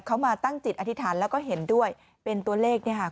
เขามาตั้งจิตอธิษฐานแล้วก็เห็นด้วยเป็นตัวเลขเนี่ยค่ะ